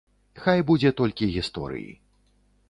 Хай будзе толькі гісторыі.